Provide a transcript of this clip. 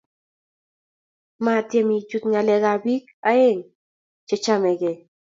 metiem I chute nyalek ab pik aeng che chamegei